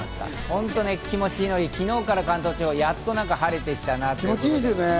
本当に気持ちのいい、昨日から関東地方はやっと晴れてきたなと。